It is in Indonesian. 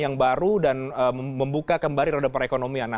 yang pernah dibuka kehidupan yang baru dan membuka kembali roda perekonomian